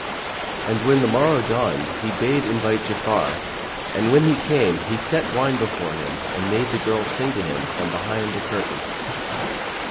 And when the morrow dawned he bade invite Ja'afar; and when he came, he set wine before him and made the girl sing to him, from behind the curtain.